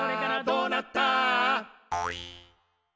「どうなった？」